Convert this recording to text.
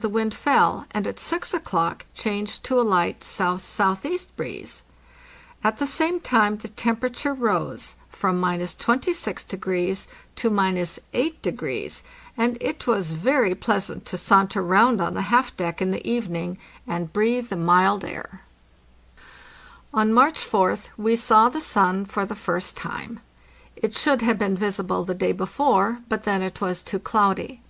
the wind fell, and at 6 o'clock changed to a light S.S.E. breeze. At the same time the temperature rose from —26° to —8°, and it was very pleasant to saunter round on the half deck in the evening and breathe the mild air. 678 APPENDIX On March 4th we saw the sun for the first time. It should have been visible the day before, but then it was too cloudy.